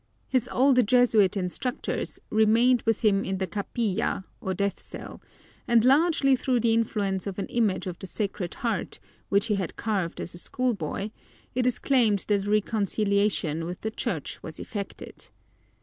His old Jesuit instructors remained with him in the capilla, or death cell, and largely through the influence of an image of the Sacred Heart, which he had carved as a schoolboy, it is claimed that a reconciliation with the Church was effected.